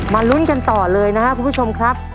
ลุ้นกันต่อเลยนะครับคุณผู้ชมครับ